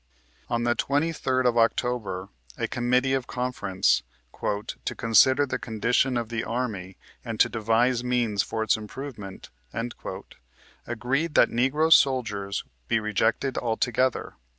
On the 23d of October a Committee of Conference, "to consider the condition of the army, and to devise means for its improvement," agreed that Negro soldiers be rejected altogether.